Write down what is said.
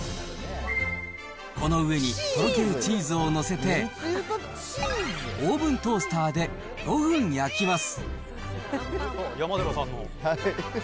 この上にとろけるチーズを載せて、オーブントースターで５分焼きます。